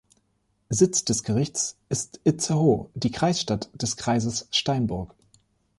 Sitz des Gerichts ist Itzehoe, die Kreisstadt des Kreises Steinburg.